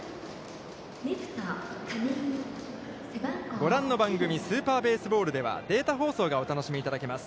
ご覧の番組「スーパーベースボール」ではデータ放送がお楽しみいただけます。